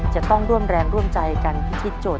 จะต้องร่วมแรงร่วมใจกันพิธีโจท